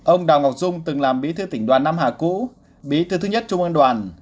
ông đào ngọc dung từng làm bí thư tỉnh đoàn nam hà cũ bí thư thứ nhất trung ương đoàn